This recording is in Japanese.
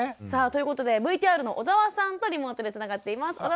さあということでＶＴＲの小澤さんとリモートでつながっています。